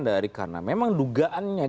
dari karena memang dugaannya